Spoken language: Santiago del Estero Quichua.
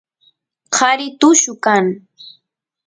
qari tullu kan